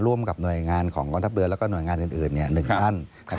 ร่วมกับหน่วยงานของกรรมทัพเบือนและหน่วยงานอื่น๑อัน